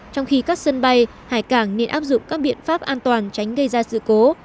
trong khi các sân bay hải cảng nên áp dụng các biện pháp an toàn tránh gây ra sự cố